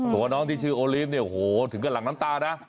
หัวน้องที่ชื่อโอลิฟถึงให้รักน้ำเนื้อด้านหน้าิ